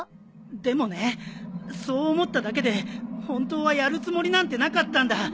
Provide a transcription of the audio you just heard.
でもねそう思っただけで本当はやるつもりなんてなかったんだ。